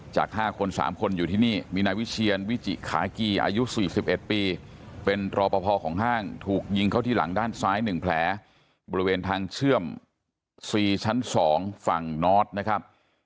จาก๕คน๓คนอยู่ที่นี่มีนายวิเชียนวิจิขากีอายุ๔๑ปีเป็นรอปภของห้างถูกยิงเข้าที่หลังด้านซ้าย๑แผลบริเวณทางเชื่อม๔ชั้น๒ฝั่งนอร์ดนะครับ